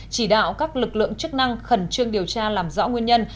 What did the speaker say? chỉ đạo các lực lượng chức năng khẩn trương điều tra làm rõ nguyên nhân